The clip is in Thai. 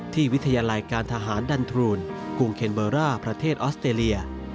วิทยาลัยการทหารดันทรูนกรุงเคนเบอร์ร่าประเทศออสเตรเลีย